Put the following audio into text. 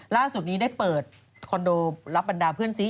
ล่าสุดนี้ได้เปิดคอนโดรับบรรดาเพื่อนซี